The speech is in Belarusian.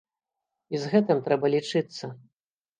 І з гэтым трэба лічыцца.